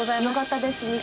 よかったです。